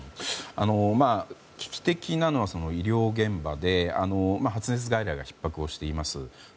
危機的なのは医療現場で発熱外来がひっ迫しています。